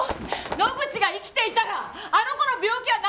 野口が生きていたらあの子の病気は治ってたのよ！